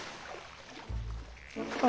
あ。